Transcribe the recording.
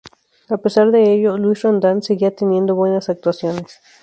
A pesar de ello, Luis Rondan, seguía teniendo buenas actuaciones.